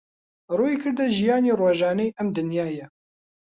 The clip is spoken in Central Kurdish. ڕوویکردە ژیانی ڕۆژانەی ئەم دنیایە